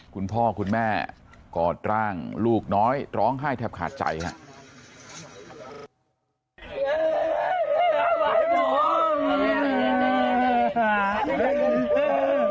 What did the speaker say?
คุณพ่อคุณแม่กอดร่างลูกน้อยร้องไห้แทบขาดใจครับ